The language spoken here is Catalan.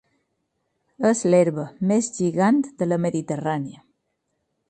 És l'herba més gegant de la Mediterrània.